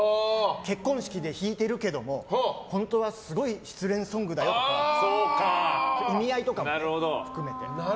結婚式で弾いてるけども本当はすごい失恋ソングだよとか意味合いとかも含めて。